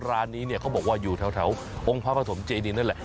ร้านนี้เนี่ยเขาบอกว่าอยู่แถวองค์พระปฐมเจดีนั่นแหละ